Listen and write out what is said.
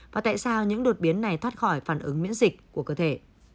và tại sao những đột biến này thoát khỏi phản ứng miễn dịch của cơ thể